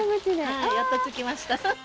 やっと着きました。